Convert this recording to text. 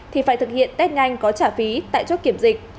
thì phải thực hiện tết nganh có trả phí tại chốt kiểm dịch